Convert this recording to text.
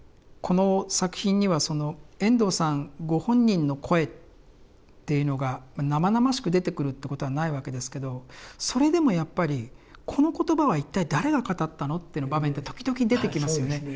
この作品には遠藤さんご本人の声っていうのが生々しく出てくるっていうことはないわけですけどそれでもやっぱり「この言葉は一体誰が語ったの？」っていう場面って時々出てきますよね。